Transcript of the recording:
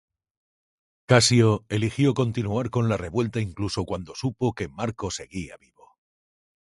Casio eligió continuar con la revuelta incluso cuando supo que Marco seguía vivo.